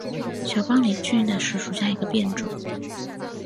小苞木里翠雀花为毛茛科翠雀属下的一个变种。